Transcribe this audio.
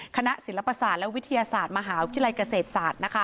คณะศิลปศาสตร์และวิทยาศาสตร์มหาวิทยาลัยเกษตรศาสตร์